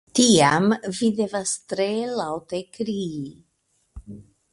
Tiam vi devas tre laŭte krii.